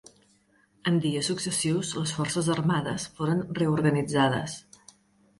En dies successius les forces armades foren reorganitzades.